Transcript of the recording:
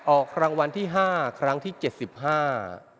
ออกรางวัลที่ห้าครั้งที่เจ็ดสิบห้า